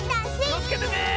きをつけてね！